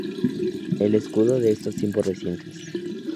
El escudo es de tiempos recientes.